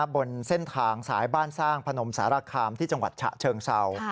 บนเส้นทางสายบ้านสร้างพนมสารคามที่จังหวัดฉะเชิงเศร้า